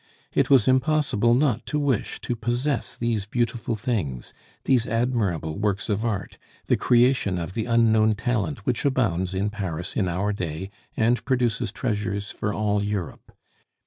It was impossible not to wish to possess these beautiful things, these admirable works of art, the creation of the unknown talent which abounds in Paris in our day and produces treasures for all Europe.